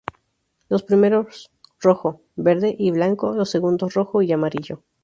Los primeros, rojo, verde y blanco; los segundos rojo y amarillo.